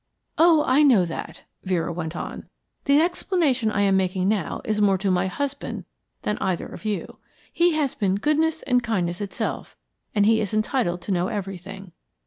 "Oh, I know that," Vera went on. "The explanation I am making now is more to my husband than either of you. He has been goodness and kindness itself, and he is entitled to know everything.